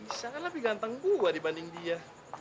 masa gua nggak bisa kan lebih ganteng gua dibanding dia